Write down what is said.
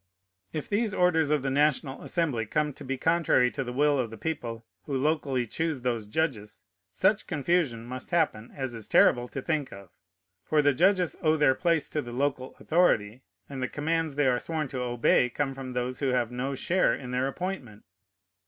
If these orders of the National Assembly come to be contrary to the will of the people who locally choose those judges, such confusion must happen as is terrible to think of. For the judges owe their place to the local authority, and the commands they are sworn to obey come from those who have no share in their appointment.